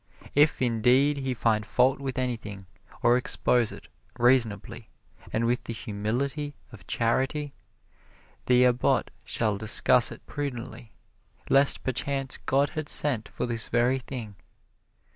If, indeed, he find fault with anything, or expose it, reasonably, and with the humility of charity, the Abbot shall discuss it prudently, lest perchance God had sent for this very thing.